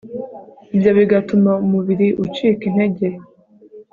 ibyo bigatuma umubiri ucika intege